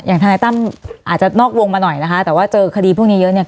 ทนายตั้มอาจจะนอกวงมาหน่อยนะคะแต่ว่าเจอคดีพวกนี้เยอะเนี่ย